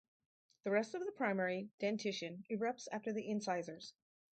The rest of the primary dentition erupts after the incisors.